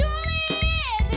cindy gak peduli